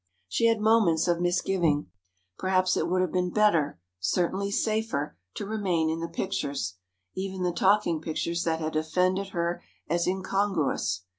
She had moments of misgiving. Perhaps it would have been better, certainly safer, to remain in the pictures—even the talking pictures that had offended her as incongruous.